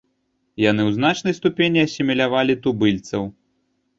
Яны ў значнай ступені асімілявалі тубыльцаў.